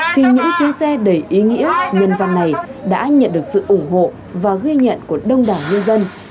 khi những chiếc xe đầy ý nghĩa nhân văn này đã nhận được sự ủng hộ và ghi nhận của đông đảng nhân dân